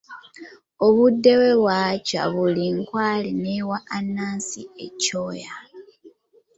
Obudde bwe bwakya, buli nkwale n'ewa Anansi ekyoya.